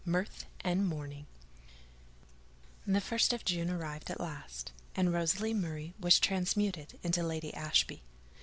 MIRTH AND MOURNING The 1st of June arrived at last: and Rosalie Murray was transmuted into Lady Ashby.